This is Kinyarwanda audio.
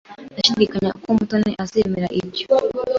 Ndashidikanya ko Mutoni azemera ibyo.